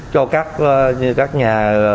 cho các nhà